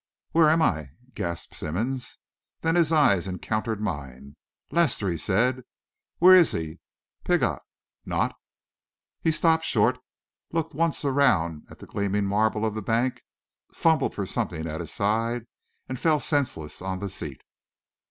"Where am I?" gasped Simmonds. Then his eyes encountered mine. "Lester!" he said. "Where is he Piggott? Not...." He stopped short, looked once around at the gleaming marble of the bank, fumbled for something at his side, and fell senseless on the seat.